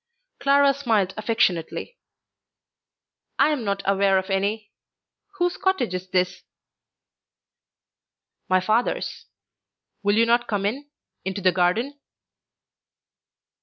Clara smiled affectionately. "I am not aware of any. Whose cottage is this?" "My father's. Will you not come in? into the garden?"